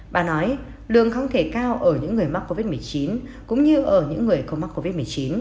bà nói đường không thể cao ở những người mắc covid một mươi chín cũng như ở những người có mắc covid một mươi chín